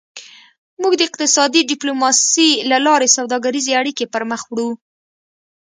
موږ د اقتصادي ډیپلوماسي له لارې سوداګریزې اړیکې پرمخ وړو